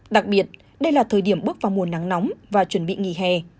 đặc biệt đây là thời điểm bước vào mùa nắng nóng và chuẩn bị nghỉ hè